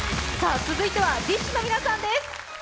続いてはＤＩＳＨ／／の皆さんです。